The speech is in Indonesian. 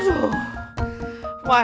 masih belum lacer